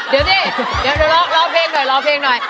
เดี๋ยวนี่เดี๋ยวล้อล้อเพลงหน่อยล้อเพลงหน่อย